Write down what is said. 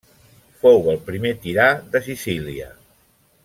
Fou el primer tirà de Sicília.